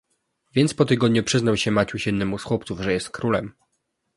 "Więc po tygodniu przyznał się Maciuś jednemu z chłopców, że jest królem."